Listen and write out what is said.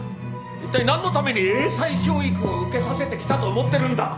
いったい何のために英才教育を受けさせてきたと思ってるんだ！